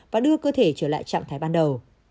và đưa cơ thể trở lại trạng thái ban đầu